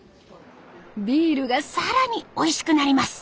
ビールが更においしくなります。